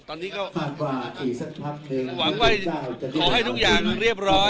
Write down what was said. ตอนนี้ก็หวังว่าขอให้ทุกอย่างเรียบร้อย